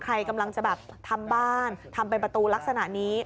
ใครกำลังจะแบบทำบ้านทำเป็นประตูลักษณะนี้